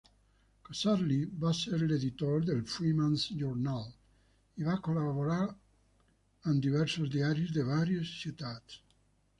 Casserly va ser l'editor del "Freeman's Journal" i va col·laborar amb diversos diaris de vàries ciutats.